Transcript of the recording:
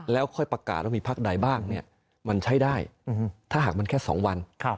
แล้วค่อยประกาศว่ามีพักใดบ้างมันใช้ได้ถ้าหากมันแค่๒วัน